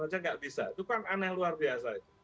aja gak bisa itu kan aneh luar biasa